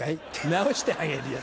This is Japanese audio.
直してあげるよ」